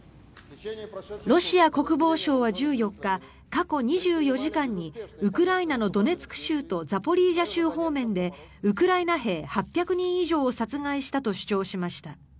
ロシア国防省は１４日過去２４時間にウクライナのドネツク州とザポリージャ州方面でウクライナ兵８００人以上を殺害したと主張しました。